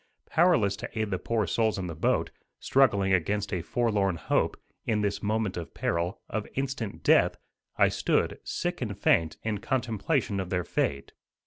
Powerless to aid the poor souls in the boat, struggling against a forlorn hope, in this moment of peril of instant death, I stood, sick and faint, in contemplation of their fate.